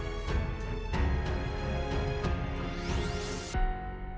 ketika di depan muka naik api pada ke knocked off